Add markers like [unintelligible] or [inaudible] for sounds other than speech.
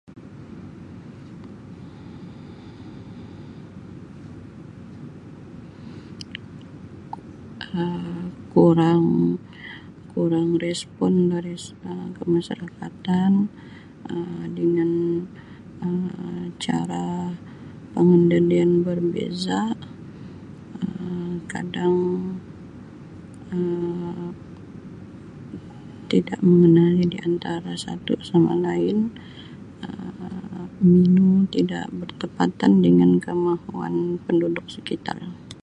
[noise] Um Kurang [noise] kurang respon dari s-[Um] kemasyarakatan Um dengan cara [unintelligible] berbeza Um kadang Um tidak mengenali di antara satu sama lain Um [unintelligible] tidak bertepatan dengan penduduk sekitar.